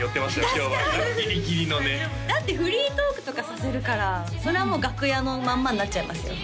今日はギリギリのねだってフリートークとかさせるからそれはもう楽屋のまんまになっちゃいますよ